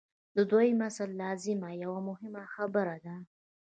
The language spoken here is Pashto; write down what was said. د دویم اصل لازمه یوه مهمه خبره ده.